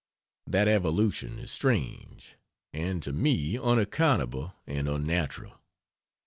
That evolution is strange, and to me unaccountable and unnatural.